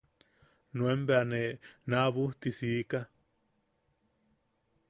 Nuen bea ne naabujti siika.